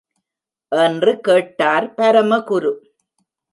என்று கேட்டார் பரமகுரு.